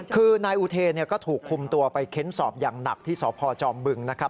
คือนายอุเทนก็ถูกคุมตัวไปเค้นสอบอย่างหนักที่สพจอมบึงนะครับ